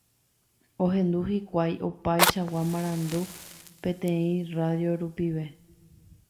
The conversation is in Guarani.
Ohendu hikuái opaichagua marandu peteĩ radio rupive.